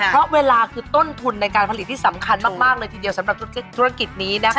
เพราะเวลาคือต้นทุนในการผลิตที่สำคัญมากเลยทีเดียวสำหรับธุรกิจนี้นะคะ